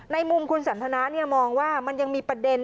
มุมคุณสันทนามองว่ามันยังมีประเด็น